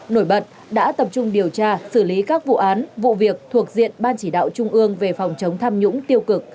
nổi bật đã tập trung điều tra xử lý các vụ án vụ việc thuộc diện ban chỉ đạo trung ương về phòng chống tham nhũng tiêu cực